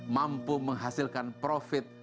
mampu menghasilkan profit